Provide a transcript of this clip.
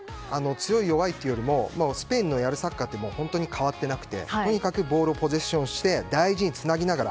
強い、弱いというよりもスペインのやるサッカーって本当に変わってなくてとにかくボールをポゼッションして大事につなげながら。